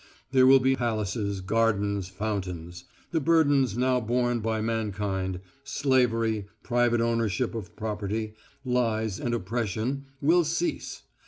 There will be palaces, gardens, fountains.... The burdens now borne by mankind slavery, private ownership of property, lies, and oppression will cease.